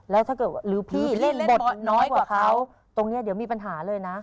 แล้วถ้าเกิดหรือพี่เล่นบทน้อยกว่าเขาตรงนี้เดี๋ยวมีปัญหาเลยนะ